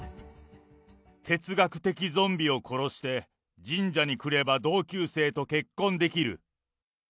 哲学的ゾンビを殺して、神社に来れば同級生と結婚できる。